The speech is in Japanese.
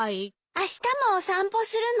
あしたもお散歩するの？